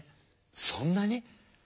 そんなに？